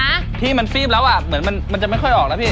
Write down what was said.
อืมพี่มันฟีมอ่ะเหมือนมันจะไม่ค่อยออกแล้วพี่